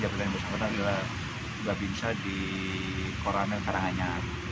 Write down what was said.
adalah berbincang di koramel karanganya